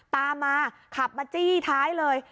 ตามมาขับมาจี้ท้ายเลย